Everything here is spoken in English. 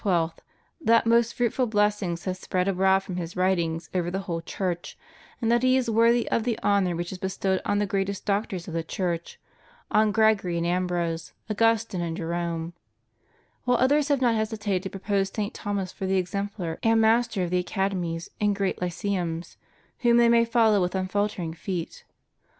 ^ that most fruitful blessings have spread abroad from his writings over the whole Church, and that he is worthy of the honor which is bestowed on the greatest doctors of the Church, on Gregory and Am brose, Augustine and Jerome; while others have not hesitated to propose St. Thomas for the exemplar and master of the academies and great lyceums, whom they may follow with unfaltering feet.